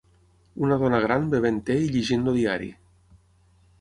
Una dona gran bevent te i llegint el diari.